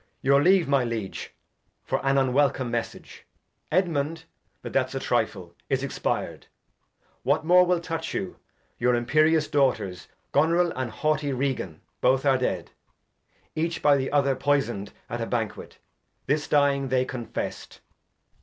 Edg. Your Leave, my Liege, for an unwelcome Mes sage. Edmund (but that's a Trifle) is expir'd ; What more will touch you, your imperious Daughters, Goneril and haughty Regan, both are dead, Each by the other poison' d at a Banquet ; This, Dying, they contest. Cord.